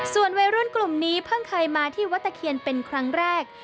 ส่วนวัยรุ่นกลุ่มนี้เพิ่งเคยมาที่วัดตะเคียนเป็นครั้งแรก